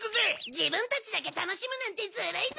自分たちだけ楽しむなんてずるいぞ！